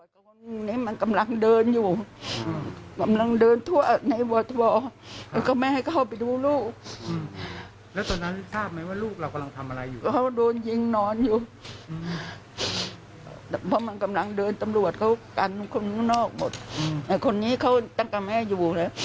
เพราะมันกำลังเดินตำรวจเขากันคนนอกหมดแต่คนนี้เขาตั้งกับแม่อยู่แล้ว